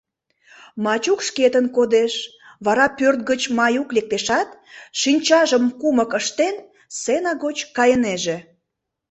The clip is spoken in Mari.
Мачук шкетын кодеш, вара пӧрт гыч Маюк лектешат, шинчажым кумык ыштен, сцена гоч кайынеже.